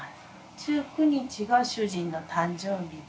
１９日が主人の誕生日で。